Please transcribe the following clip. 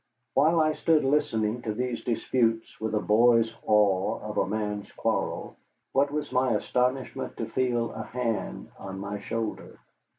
While I stood listening to these disputes with a boy's awe of a man's quarrel, what was my astonishment to feel a hand on my shoulder.